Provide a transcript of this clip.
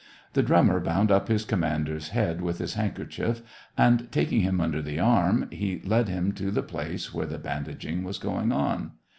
The drum mer bound up his commander's head with his handkerchief, and, taking him under the arm, he led him to the place where the bandaging was going on.